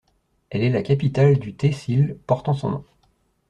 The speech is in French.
Elle est la capitale du tehsil portant son nom.